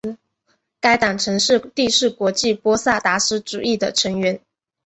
该党曾是第四国际波萨达斯主义者的成员。